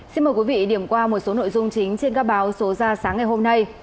xin mời quý vị điểm qua một số nội dung chính trên các báo số ra sáng ngày hôm nay